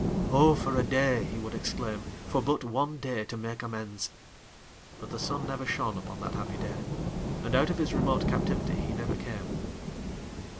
O for a day (he would exclaim), for but one day to make amends! But the sun never shone upon that happy day, and out of his remote captivity he never came.